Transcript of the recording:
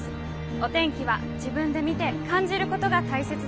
お天気は自分で見て感じることが大切だといわれています。